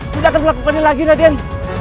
tidak akan melakukannya lagi raden